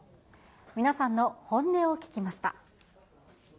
皆さんの本音を聞きました。